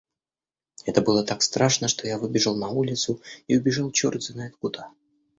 Это было так страшно, что я выбежал на улицу и убежал чёрт знает куда.